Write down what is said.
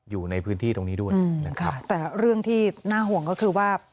อยู่ในพื้นที่ตรงนี้ด้วยนะครับแต่เรื่องที่น่าห่วงก็คือว่า